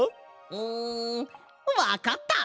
うんわかった！